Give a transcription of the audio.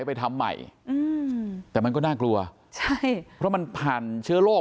ไปทำใหม่อืมแต่มันก็น่ากลัวใช่เพราะมันผ่านเชื้อโรค